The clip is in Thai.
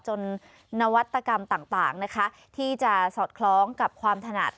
นวัตกรรมต่างนะคะที่จะสอดคล้องกับความถนัด